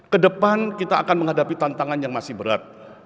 kedepan kita akan menghadapi tantangan yang masih berat